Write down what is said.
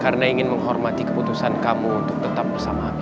karena ingin menghormati keputusan kamu untuk tetap bersama abi